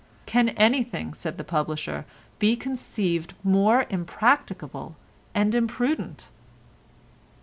"Can anything,"' said the publisher, "be conceived more impracticable and imprudent?"